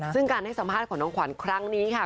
ซึ่งการให้สัมภาษณ์ของน้องขวัญครั้งนี้ค่ะ